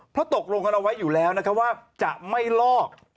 เพราะตกลงกันเอาไว้อยู่แล้วนะครับว่าจะไม่ลอก